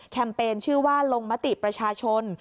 เปญชื่อว่าลงมติประชาชน